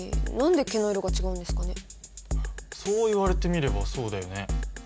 そう言われてみればそうだよね。